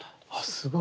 すごい。